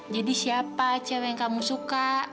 jadi siapa cewek yang kamu suka